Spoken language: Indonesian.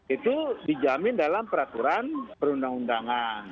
itu dijamin dalam peraturan perundang undangan